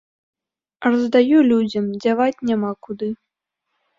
Раздаю людзям, дзяваць няма куды.